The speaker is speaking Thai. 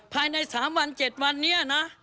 ภายใน๓วัน๗วันนี้นะ